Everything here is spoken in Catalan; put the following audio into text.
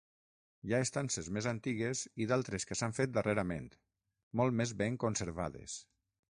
Hi ha estances més antigues i d'altres que s'han fet darrerament, molt més ben conservades.